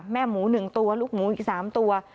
แม่หมู๑ตัวลูกหมูอีก๓ตัว